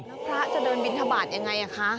แล้วพระจะเดินบินทบาทยังไงคะ